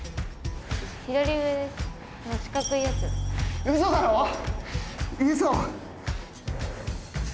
左上です。